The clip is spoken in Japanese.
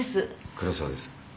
黒沢です。